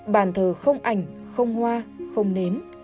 bàn thờ không ảnh không hoa không nến